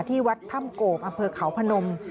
ที่วัดถ้ำโกบอำเภอเขาพนม